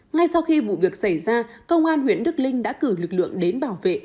ngay sau khi vụ việc xảy ra công an huyện đức linh đã cử lực lượng đến bảo vệ